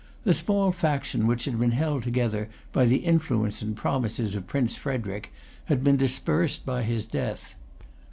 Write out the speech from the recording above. The small faction which had been held together by the influence and promises of Prince Frederic, had been dispersed by his death.